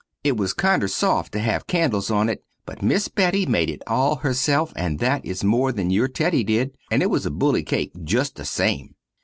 It was kinder soft to have candels on it, but miss Betty made it all herself and that is more than your Teddy did, and it was a bully cake just the same.